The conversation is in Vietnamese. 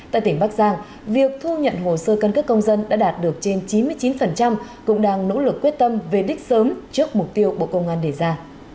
tại tỉnh bắc giang việc thu nhận hồ sơ căn cước công dân đã đạt được trên chín mươi chín cũng đang nỗ lực quyết tâm về đích sớm trước mục tiêu bộ công an đề ra